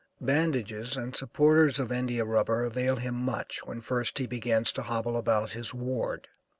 Bandages and supporters of India rubber avail him much when first he begins to hobble about his ward.